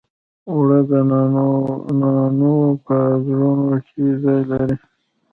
اوړه د نانو په زړونو کې ځای لري